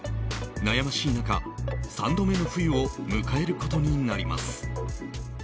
悩ましい中、３度目の冬を迎えることになります。